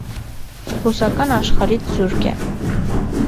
Բուսական աշխարհից զուրկ է։